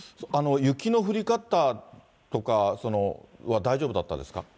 雪の降り方とか、大丈夫だったですか。